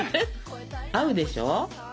合うでしょ？